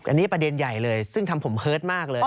อันนี้ประเด็นใหญ่เลยซึ่งทำผมเฮิร์ตมากเลย